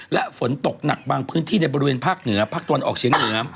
และฝนตกหนักบางพื้นที่ในบริเวณภาคเหนือภาคตะวันออกเฉียงเหนือ